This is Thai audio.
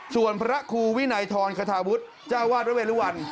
ส่วนพระครูวินัยธรณ์ขทาวุฒิจ้าวาสพระเวลวัน